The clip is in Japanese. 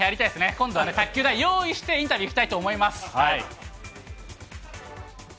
今度は卓球台用意してインタビュー行きたいと思います。